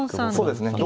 そうですね